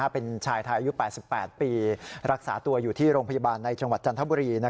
เป็นชายไทยอายุ๘๘ปีรักษาตัวอยู่ที่โรงพยาบาลในจังหวัดจันทบุรี